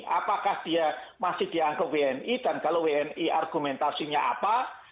apakah dia masih dianggap wni dan kalau wni argumentasinya apa